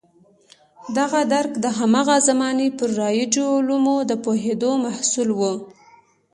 دغه درک د هماغه زمانې پر رایجو علومو د پوهېدو محصول و.